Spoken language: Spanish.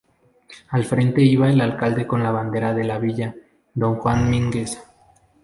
Al frente iba el alcalde con la bandera de la villa, don Juan Mínguez.